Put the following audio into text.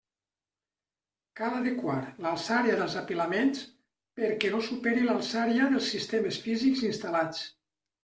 Cal adequar l'alçària dels apilaments perquè no superi l'alçària dels sistemes físics instal·lats.